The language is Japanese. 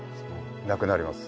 なくなります。